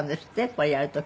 これやる時。